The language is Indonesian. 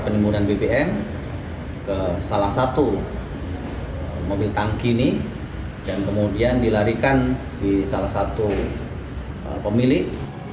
penimbunan bbm ke salah satu mobil tangki ini dan kemudian dilarikan di salah satu pemilik